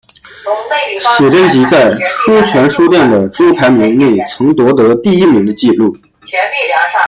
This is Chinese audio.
写真集在书泉书店的周排名内曾夺得第一名的纪录。